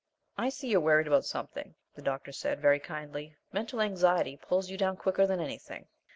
"I see you're worried about something," the doctor said, very kindly. "Mental anxiety pulls you down quicker than anything."